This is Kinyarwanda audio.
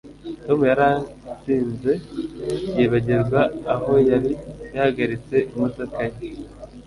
Tom yari yasinze yibagirwa aho yari yahagaritse imodoka ye